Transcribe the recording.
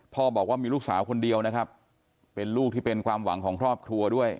บอกว่ามีลูกสาวคนเดียวนะครับเป็นลูกที่เป็นความหวังของครอบครัวด้วย